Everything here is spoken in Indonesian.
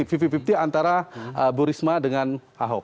vvvpt antara ibu risma dengan ahok